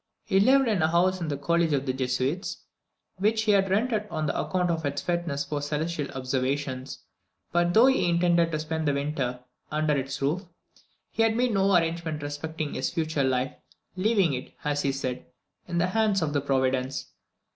He lived in a house in the college of the Jesuits, which he had rented on account of its fitness for celestial observations; but, though he intended to spend the winter under its roof, he had made no arrangement respecting his future life, leaving it, as he said, in the hands of Providence.